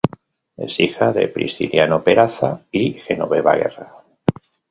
Es hija de Prisciliano Peraza y Genoveva Guerra.